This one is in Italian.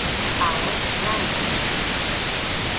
Harold Rayner